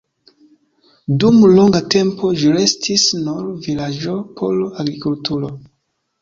Dum longa tempo ĝi restis nur vilaĝo por agrikulturo.